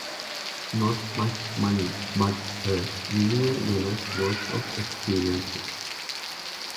Not much money but a million dollars worth of experience!